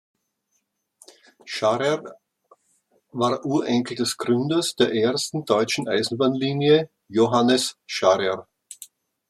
Scharrer war Urenkel des Gründers der ersten deutschen Eisenbahnlinie, Johannes Scharrer.